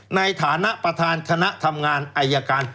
ในฐานะประธานคณะทำงานอายการ